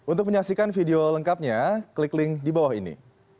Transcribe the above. untuk menyaksikan video lengkapnya klik link di bawah ini